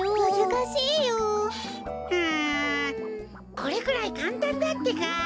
これくらいかんたんだってか。